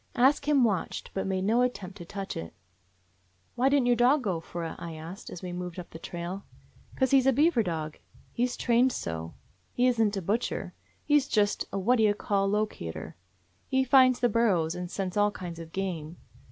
Ask Him watched, but made no at tempt to touch it. "Why didn't your dog go for it?" I asked as we moved on up the trail. " 'Cause he 's a beaver dog. He 's trained so. He is n't a butcher. He 's just a — what do you call — locator. He finds the burrows and scents all kinds of game.